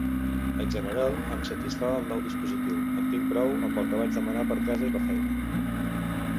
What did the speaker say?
En general, em satisfà el nou dispositiu, en tinc prou amb el que vaig demanar per casa i la feina.